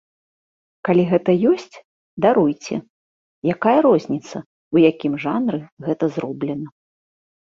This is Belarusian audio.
Калі гэта ёсць, даруйце, якая розніца, у якім жанры гэта зроблена.